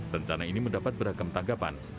rencana ini mendapat beragam tanggapan